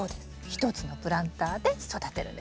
１つのプランターで育てるんです。